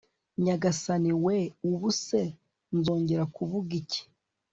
nyagasani we, ubu se nzongera kuvuga iki